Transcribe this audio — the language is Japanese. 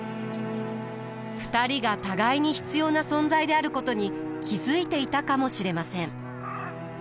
２人が互いに必要な存在であることに気付いていたかもしれません。